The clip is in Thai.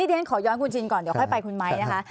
เดี๋ยวฉันขอย้อนคุณชินก่อนเดี๋ยวค่อยไปคุณไมค์นะคะ